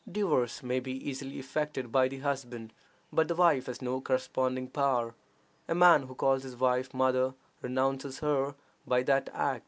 Divorce may be easily effected by the husband, but the wife has no corresponding power. A man who calls his wife "mother," renounces her by that act.